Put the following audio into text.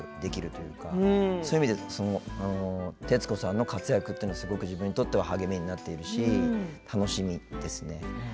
そういう意味で、徹子さんの活躍というのは、自分にとって励みになっているし楽しみですね。